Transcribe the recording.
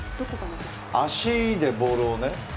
足でボールをね。